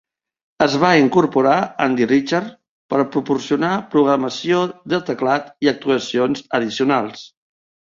Es va incorporar Andy Richards per proporcionar programació de teclat i actuacions addicionals.